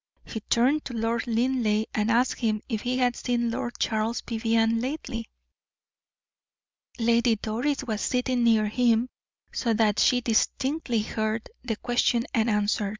He turned to Lord Linleigh and asked him if he had seen Lord Charles Vivianne lately. Lady Doris was sitting near him, so that she distinctly heard the question and answer.